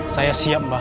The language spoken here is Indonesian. saya siap mbah